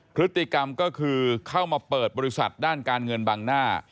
พฤติกรรมก็คือเข้ามาเปิดบริษัทด้านการเงินบังหน้า